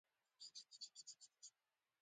د بهرنیو مرستو تجربه یوه ښه مقایسه وړاندې کوي.